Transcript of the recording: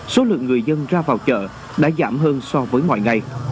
số lượng người dân ra vào chợ đã giảm hơn so với mọi ngày